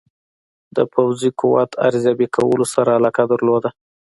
د پوځي قوت ارزیابي کولو سره علاقه درلوده.